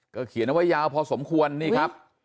เขียนเอาไว้ยาวพอสมควรนี่ครับ